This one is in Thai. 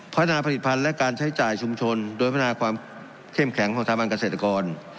พัฒนาผลิตภัณฑ์และการใช้จ่ายชุมชนโดยพัฒนาความเข้มแข็งของสถาบันเกษตรกร